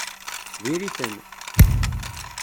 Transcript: Diri-ten!